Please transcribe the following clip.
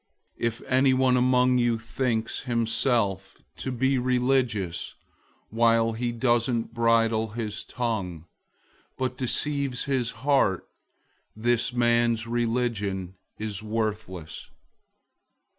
001:026 If anyone among you thinks himself to be religious while he doesn't bridle his tongue, but deceives his heart, this man's religion is worthless.